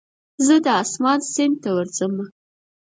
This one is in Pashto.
زه د اسمان سیند ته ورځمه